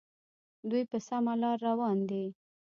دوی په سمه لار روان دي.